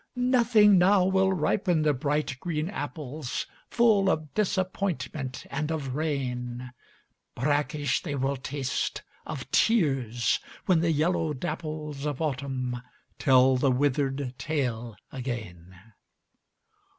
Nothing now will ripen the bright green apples, Full of disappointment and of rain, Brackish they will taste, of tears, when the yellow dapples Of Autumn tell the withered tale again.